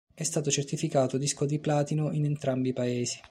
È stato certificato disco di platino in entrambi i Paesi.